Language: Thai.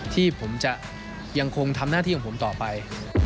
ที่ผมจะยังคงทำหน้าที่ของผมต่อไป